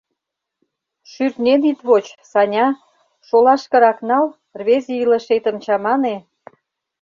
Шӱртнен ит воч, Саня, шолашкырак нал, рвезе илышетым чамане.